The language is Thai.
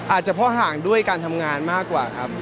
อาจจะเพราะห่างด้วยการทำงานมากกว่าครับ